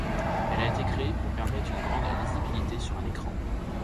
Elle a été créée pour permettre une grande lisibilité sur un écran.